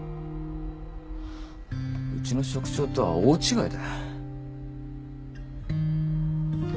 うちの職長とは大違いだ。